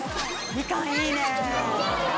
みかんいい。